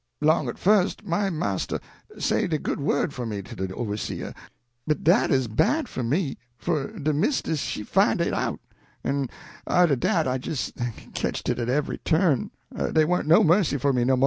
'Long at fust my marster say de good word for me to de overseer, but dat 'uz bad for me; for de mistis she fine it out, en arter dat I jist ketched it at every turn dey warn't no mercy for me no mo'."